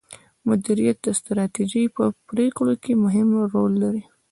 مديريت د ستراتیژۍ په پریکړو کې مهم رول لري.